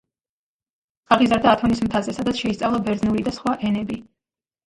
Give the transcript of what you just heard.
აღიზარდა ათონის მთაზე, სადაც შეისწავლა ბერძნული და სხვა ენები.